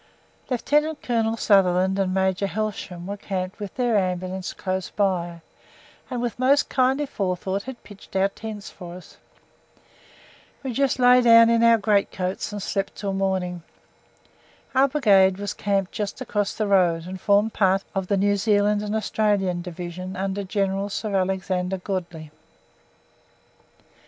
Lieutenant Colonel Sutherland and Major Helsham were camped with their Ambulance close by, and with most kindly forethought had pitched our tents for us. We just lay down in our greatcoats and slept until morning. Our Brigade was camped just across the road, and formed part of the New Zealand and Australian Division under General Sir Alexander Godley.